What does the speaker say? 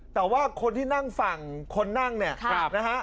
แต่ว่าคนที่นั่งฝั่งคนนั่งเนี่ยนะฮะ